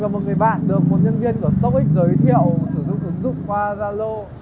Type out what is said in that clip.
một người bạn được một nhân viên của top giới thiệu sử dụng ứng dụng qua zalo